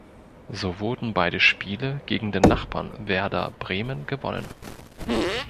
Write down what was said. So wurden beide Spiele gegen den Nachbarn Werder Bremen gewonnen.